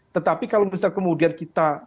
tetapi kalau misal kemudian kita